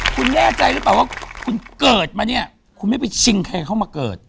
คุณเกิดมาเนี่คุณไม่ว่าชิงใครเข้ามาเกิด